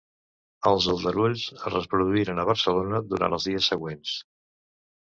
Els aldarulls es reproduïren a Barcelona durant els dies següents.